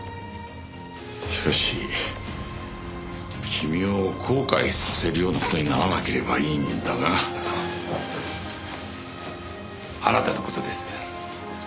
しかし君を後悔させるような事にならなければいいんだが。あなたの事です。